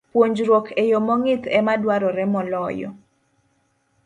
Puonjruok e yo mong'ith ema dwarore moloyo